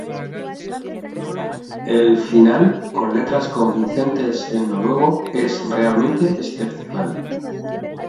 El final, con letras convincentes en noruego, es realmente excepcional.